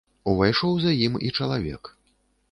Увайшоў за ім і чалавек.